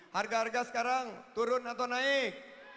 harga harga sekarang turun atau naik